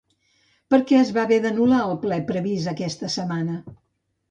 Per què es van haver d'anul·lar el ple previst aquesta setmana?